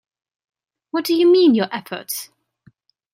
What do you mean, your efforts?